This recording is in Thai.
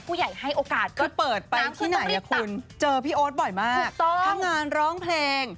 ผู้ใหญ่ให้โอกาสคือเปิดไปที่ไหนคุณเจอพี่โอ๊ตบ่อยมากถ้างานร้องเพลง